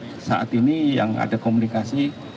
jadi sampai saat ini yang ada komunikasi